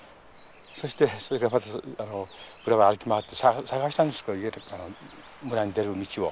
そしてそれがまず歩き回って探したんですけど村に出る道を。